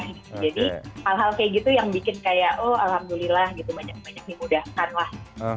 jadi hal hal kayak gitu yang bikin kayak oh alhamdulillah gitu banyak banyak dimudahkan lah